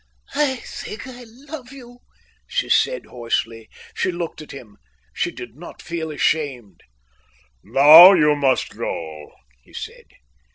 "I think I love you," she said, hoarsely. She looked at him. She did not feel ashamed. "Now you must go," he said.